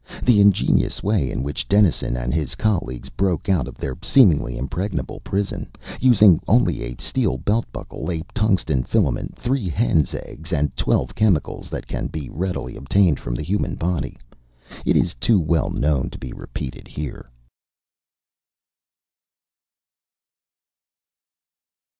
The ingenious way in which Dennison and his colleagues broke out of their seemingly impregnable prison, using only a steel belt buckle, a tungsten filament, three hens' eggs, and twelve chemicals that can be readily obtained from the human body, is too well known to be repeated here.